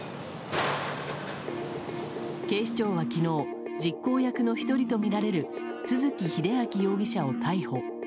警視庁は昨日、実行役の１人とみられる都築英明容疑者を逮捕。